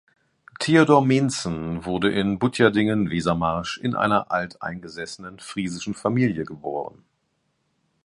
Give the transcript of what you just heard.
Theodor Meentzen wurde in Butjadingen (Wesermarsch) in einer alteingesessenen friesischen Familie geboren.